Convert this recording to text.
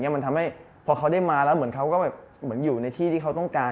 มันทำให้พอเขาได้มาแล้วเหมือนเขาก็แบบเหมือนอยู่ในที่ที่เขาต้องการ